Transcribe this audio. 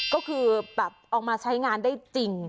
ก็คือแบบออกมาใช้งานได้จริง